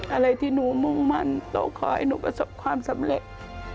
อะไรที่หนูมุ่งมั่นหนูขอให้หนูประสบความสำเร็จ